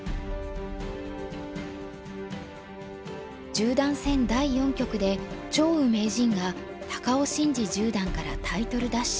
十段戦第四局で張栩名人が高尾紳路十段からタイトル奪取。